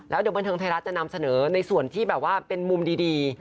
เดี๋ยวบันเทิงไทยรัฐจะนำเสนอในส่วนที่แบบว่าเป็นมุมดี